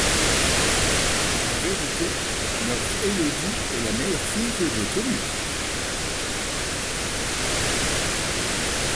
En vérité, notre Élodie est la meilleure fille que j'ai connue!